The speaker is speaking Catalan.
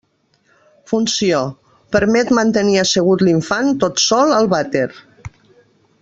Funció: permet mantenir assegut l'infant tot sol al vàter.